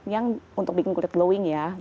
yang untuk bikin kulit glowing ya